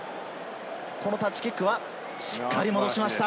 このタッチキックはしっかり戻しました。